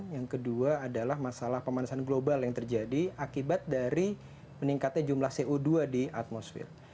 yang kedua adalah masalah pemanasan global yang terjadi akibat dari meningkatnya jumlah co dua di atmosfer